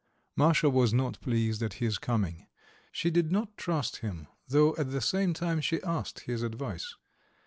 Masha was not pleased at his coming, she did not trust him, though at the same time she asked his advice.